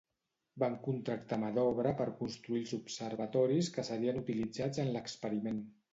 Van contractar mà d'obra per construir els observatoris que serien utilitzats en l'experiment.